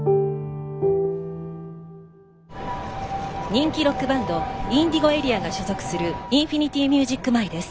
人気ロックバンドＩｎｄｉｇｏＡＲＥＡが所属するインフィニティミュージック前です。